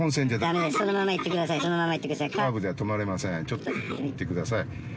ちょっと行ってください。